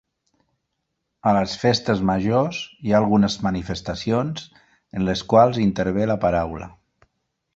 A les festes majors hi ha algunes manifestacions en les quals intervé la paraula.